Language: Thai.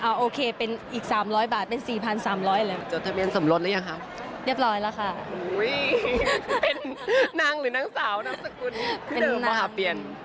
โอ้โฮเป็นนางหรือนางสาวน้ำสกุลที่เดิมมหาเปลี่ยน